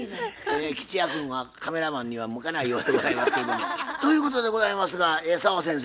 え吉弥君はカメラマンには向かないようでございますけれども。ということでございますが澤先生